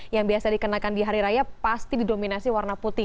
yang biasa dikenakan di hari raya pasti didominasi warna putih